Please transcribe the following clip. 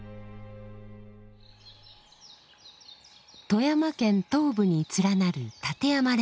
富山県東部に連なる立山連峰。